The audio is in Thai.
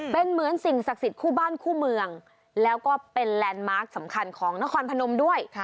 เป็นเหมือนสิ่งศักดิ์สิทธิ์คู่บ้านคู่เมืองแล้วก็เป็นแลนด์มาร์คสำคัญของนครพนมด้วย